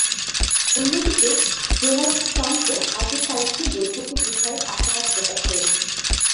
অন্যদিকে, ডোনাল্ড ট্রাম্পও আগের তারিখেই বৈঠকের বিষয়ে আশাবাদ প্রকাশ করেছেন।